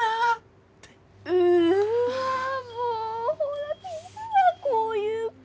うわもうほらいるわこういう子。